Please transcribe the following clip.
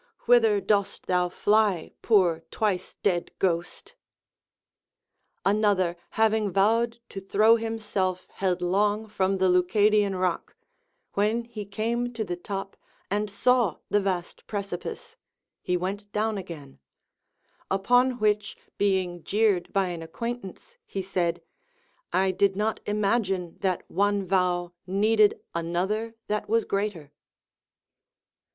Whither dost thou fly, poor twice dead ghost] Another having vowed to throw himself headlong from the Leucadian rock, when he came to the top and saw the vast precipice, he Avent doAvn again ; upon which being jeered by an acquaintance, he said, I did not imagine that one vow needed another that was greater.